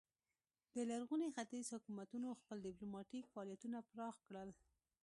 د لرغوني ختیځ حکومتونو خپل ډیپلوماتیک فعالیتونه پراخ کړل